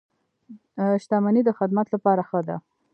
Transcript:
• شتمني د خدمت لپاره ښه ده.